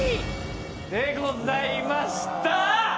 でございました。